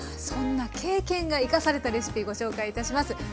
そんな経験が生かされたレシピご紹介いたします。